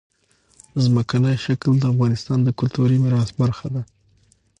ځمکنی شکل د افغانستان د کلتوري میراث برخه ده.